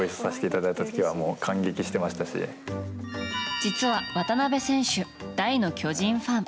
実は渡邊選手大の巨人ファン。